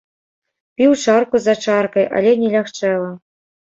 Піў чарку за чаркай, але не лягчэла.